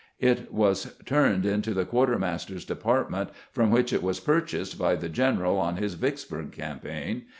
It was turned into the quartermaster's department, from which it was purchased by the gen eral on his Vicksburg campaign.